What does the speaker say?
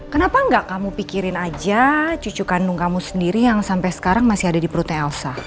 kenapa enggak kamu pikirin aja cucu kandung kamu sendiri yang sampai sekarang masih ada di perutnya elsa